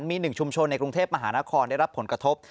มี๑ชุมชนในกรุงเทพมหานครได้รับผลกระทบ